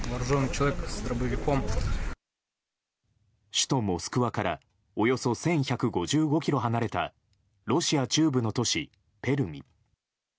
首都モスクワからおよそ１１５５ｋｍ離れたロシア中部の都市ペルミ。